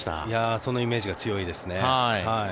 そのイメージが強いですね。